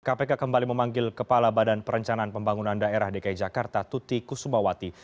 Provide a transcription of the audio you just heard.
kpk kembali memanggil kepala badan perencanaan pembangunan daerah dki jakarta tuti kusumawati